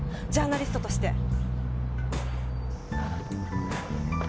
ジャーナリストとして。